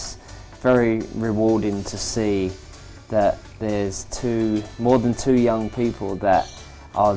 dan sangat menarik untuk melihat bahwa ada lebih dari dua orang muda yang membuat perubahan